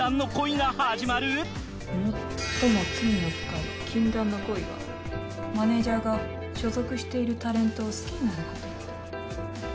もっとも罪の深い禁断の恋はマネージャーが所属しているタレントを好きになること。